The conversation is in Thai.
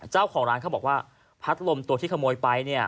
เจ้าของร้านเขาบอกว่าพัดลมตัวที่ขโมยไปเนี่ย